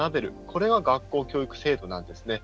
これが学校教育制度なんですね。